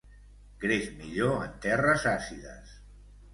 Creix millor en terres àcides.